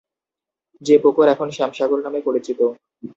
যে পুকুর এখন স্যাম সাগর নামে পরিচিত।